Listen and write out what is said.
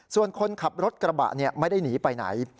ส่วนคนขับรถกระบะไม่ได้หนีไปไหน